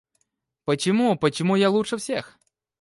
Почему, почему я лучше всех?